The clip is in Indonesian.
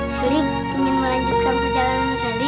sally aku ingin melanjutkan perjalanan sally